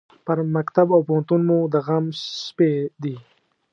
پر مکتب او پوهنتون مو د غم شپې دي